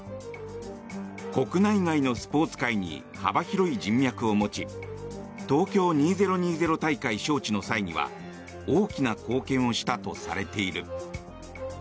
国内外のスポーツ界に幅広い人脈を持ち東京２０２０大会招致の際には大きな貢献をしたとされている。